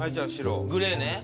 グレーね。